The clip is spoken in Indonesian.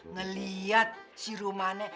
ngeliat si romana